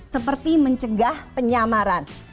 seperti mencegah penyamaran